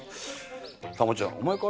ちゃん、お前か？